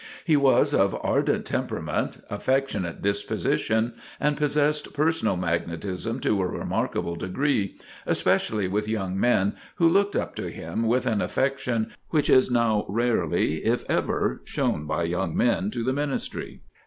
He was of ardent temperament, affectionate disposition, and possessed personal magnetism to a remarkable degree, especially with young men, who looked up to him with an affection which is now rarely if ever shown by young men to the ministry.